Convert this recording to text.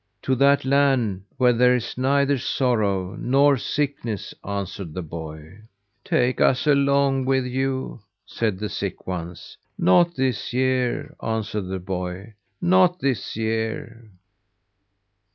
"To that land where there is neither sorrow nor sickness," answered the boy. "Take us along with you!" said the sick ones. "Not this year," answered the boy. "Not this year."